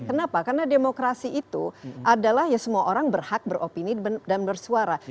kenapa karena demokrasi itu adalah ya semua orang berhak beropini dan bersuara